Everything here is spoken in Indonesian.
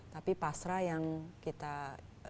tapi pasrah yang kita lakukan dan juga terima kasih